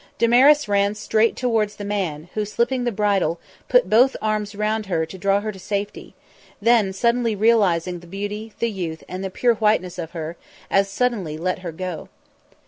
Damaris ran straight towards the man, who, slipping the bridle, put both arms round her to draw her to safety; then, suddenly realising the beauty, the youth and the pure whiteness of her, as suddenly let her go.